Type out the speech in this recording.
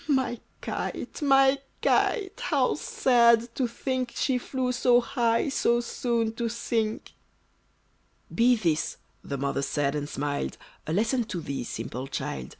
My kite! my kite! how sad to think She flew so high, so soon to sink!" "Be this," the mother said, and smiled, "A lesson to thee, simple child!